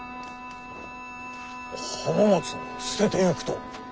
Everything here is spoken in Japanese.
浜松は捨てていくと？